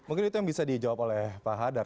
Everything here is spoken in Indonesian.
mungkin itu yang bisa dijawab oleh pak hadar